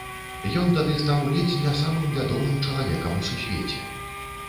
Ён тады стаў ледзь не самым вядомым чалавекам у сусвеце.